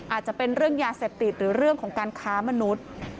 อาจจะเป็นเรื่องยาเสพติดหรือเรื่องของการค้ามนุษย์